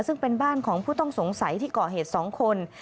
ซึ่งเป็นบ้านของผู้ต้องสงสัยที่ก่อเหตุ๒คน